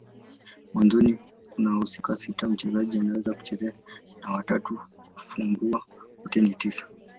Mwanzoni kuna wahusika sita mchezaji anaweza kuchezea na watatu wa kufumbua. Wote ni tisa.